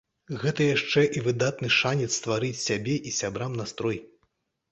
Гэта яшчэ і выдатны шанец стварыць сябе і сябрам настрой.